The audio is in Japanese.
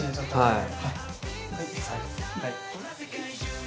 はい。